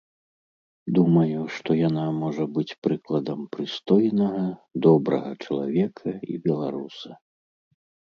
Думаю, што яна можа быць прыкладам прыстойнага, добрага чалавека і беларуса.